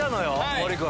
森君。